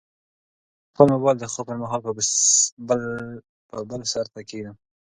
زه به خپل موبایل د خوب پر مهال په بل سرته کېږدم.